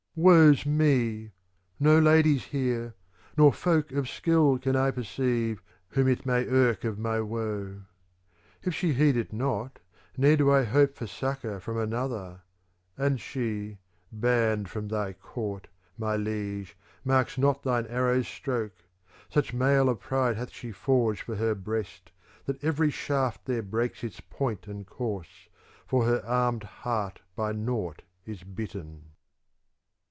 Woe's me ! no ladies here, nor folk of skill ^ Can I perceive, whom it may irk of my woe. If she heed it not ne'er do I hope for succour from an other : and she, banned from thy court, my liege, marks not thine arrow's stroke : such mail of pride hath she forged for her breast, that every shaft there breaks its point and course, for her armed heart by nought is bitten.